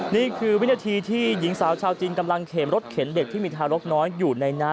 นี่คือวินาทีที่หญิงสาวชาวจีนกำลังเข็นรถเข็นเด็กที่มีทารกน้อยอยู่ในน้ำ